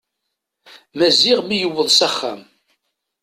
Maziɣ mi yewweḍ s axxam.